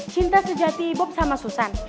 cinta sejati bob sama susan